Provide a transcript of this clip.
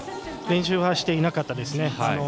練習はしていなかったです。